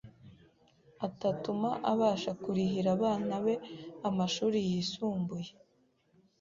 atatuma abasha kurihira abana be amashuri yisumbuye